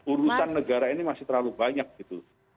urusan negara ini masih terlalu banyak gitu